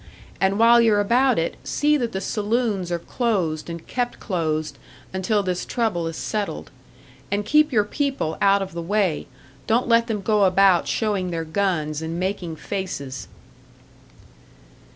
And while you're about it, see that the saloons are closed and kept closed until this trouble is settled. And keep your people out of the way don't let them go about showing their guns and making faces."